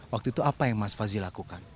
waktu itu apa yang mas fazi lakukan